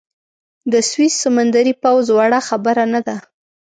د سویس سمندري پوځ وړه خبره نه ده.